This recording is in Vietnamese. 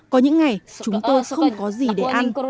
có những ngày chúng tôi không có gì để ăn